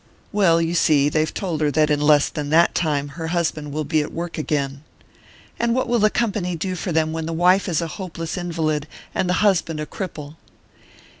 "Well, you see they've told her that in less than that time her husband will be at work again." "And what will the company do for them when the wife is a hopeless invalid, and the husband a cripple?"